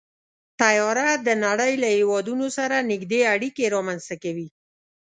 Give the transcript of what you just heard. طیاره د نړۍ له هېوادونو سره نږدې اړیکې رامنځته کوي.